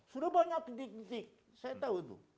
sudah banyak titik titik saya tahu itu